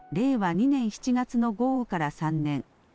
２年７月の豪雨から３年。